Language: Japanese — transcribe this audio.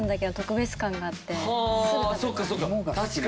そっかそっか。